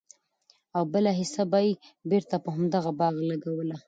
او بله حيصه به ئي بيرته په همدغه باغ لګوله!!